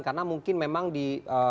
karena mungkin memang di